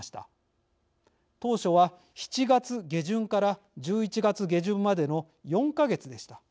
当初は７月下旬から１１月下旬までの４か月でした。